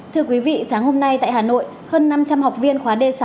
thưa quý vị sáng hôm nay tại hà nội hơn năm trăm linh học viên khóa d sáu